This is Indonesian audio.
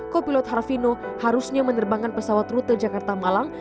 kopilot harvino harusnya menerbangkan pesawat rute jakarta malang